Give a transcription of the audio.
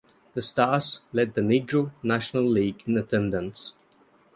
The Stars led the Negro National League in attendance.